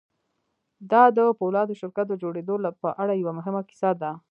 دا د پولادو شرکت د جوړېدو په اړه یوه مهمه کیسه ده